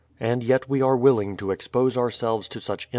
And yet we are willing to expose ourselves to such im.